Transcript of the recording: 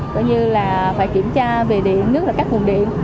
coi như là phải kiểm tra về điện nước là các nguồn điện